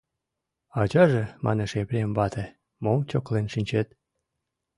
— Ачаже, — манеш Епрем вате, — мом чоклен шинчет.